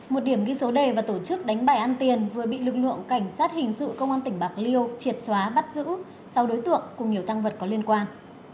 một điểm ghi số đề và tổ chức đánh bài ăn tiền vừa bị lực lượng cảnh sát hình sự công an tỉnh bạc liêu triệt xóa bắt giữ sau đối tượng cùng nhiều tăng vật có liên quan